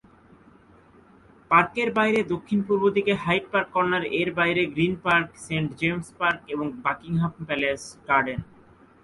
পার্কের বাইরে দক্ষিণ-পূর্ব দিকে হাইড পার্ক কর্নার, এর বাইরে Green Park, Saint James Park এবং বাকিংহাম প্যালেস গার্ডেন।